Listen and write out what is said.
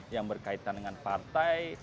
yang berkaitan dengan partai